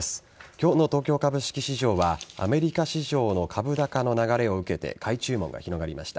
今日の東京株式市場はアメリカ市場の株高の流れを受けて買い注文が広がりました。